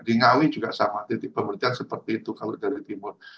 di ngawi juga sama titik pembersihan seperti itu kalau dari timur